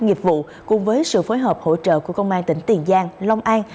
nghiệp vụ cùng với sự phối hợp hỗ trợ của công an tỉnh tiền giang long an